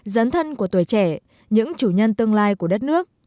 dấn thân của tuổi trẻ những chủ nhân tương lai của đất nước